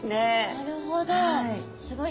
なるほど！